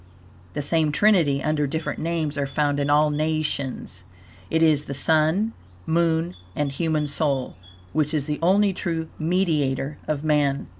The same trinity, under different names, are found in all nations. It is the Sun, Moon and Human Soul, which is the only true mediator of Man.